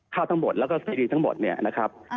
ข้าวทั้งหมดแล้วก็ซีรีส์ทั้งหมดนี่นะครับ